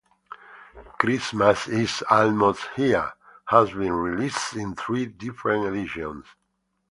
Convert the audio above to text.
"Christmas Is Almost Here" has been released in three different editions.